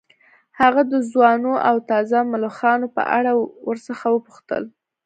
هغه د ځوانو او تازه ملخانو په اړه ورڅخه وپوښتل